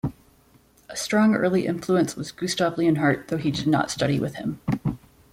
A strong early influence was Gustav Leonhardt, though he did not study with him.